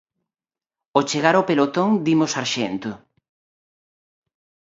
Ó chegar ó pelotón dime o sarxento: